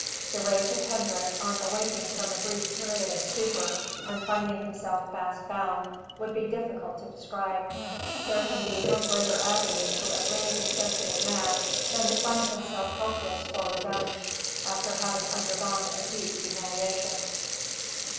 The rage of Hendrik, on awaking from a brief period of stupor and finding himself fast bound, would be difficult to describe. There can be no greater agony to a brave and sensitive man than to find himself helpless for revenge after having undergone a deep humiliation.